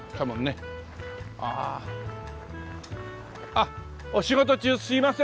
あっお仕事中すみません！